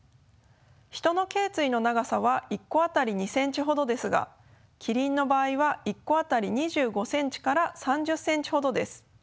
ヒトのけい椎の長さは１個当たり２ｃｍほどですがキリンの場合は１個当たり２５ｃｍから３０ｃｍほどです。